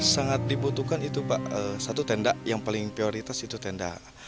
sangat dibutuhkan itu pak satu tenda yang paling prioritas itu tenda